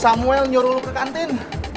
si samuel jururul ke kantin